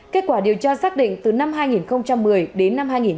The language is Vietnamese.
kết quả điều tra xác định từ năm hai nghìn một mươi đến năm hai nghìn một mươi